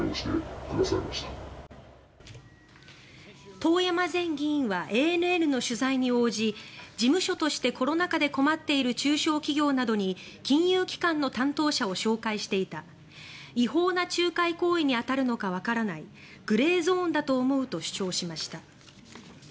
遠山前議員はＡＮＮの取材に応じ事務所としてコロナ禍で困っている中小企業などに金融機関の担当者を紹介していた違法な仲介行為に当たるのかわからないグレーゾーンだと思うと主張しました。